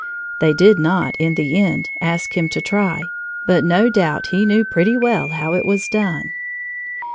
They did not, in the end, ask him to try, but no doubt he knew pretty well how it was done.